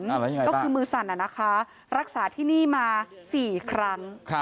ก็คือมือสั่นนะคะรักษาที่นี่มา๔ครั้ง